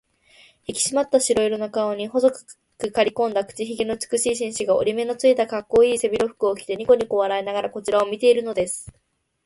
ひきしまった色白の顔に、細くかりこんだ口ひげの美しい紳士が、折り目のついた、かっこうのいい背広服を着て、にこにこ笑いながらこちらを見ているのです。